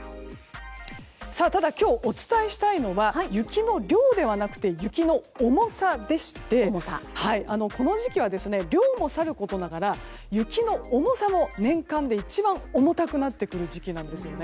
ただ、今日お伝えしたいのは雪の量ではなくて雪の重さでしてこの時期は、量もさることながら雪の重さも年間で一番重たくなってくる時期なんですよね。